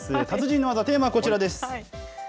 達人の技、テーマはこちらです。